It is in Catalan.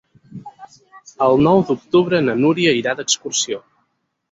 El nou d'octubre na Núria irà d'excursió.